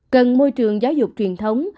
cần môi trường giáo dục truyền thống